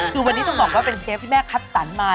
คือวันนี้ต้องบอกว่าเป็นเชฟที่แม่คัดสรรมา